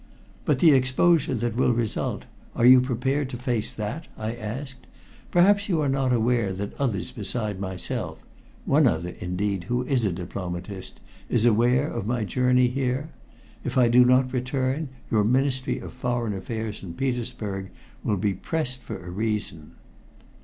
"But the exposure that will result are you prepared to face that?" I asked. "Perhaps you are not aware that others beside myself one other, indeed, who is a diplomatist is aware of my journey here? If I do not return, your Ministry of Foreign Affairs in Petersburg will be pressed for a reason."